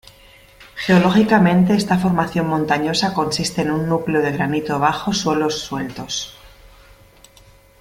Geológicamente esta formación montañosa consiste en un núcleo de granito bajo suelos sueltos.